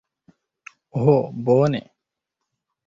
Ho bone.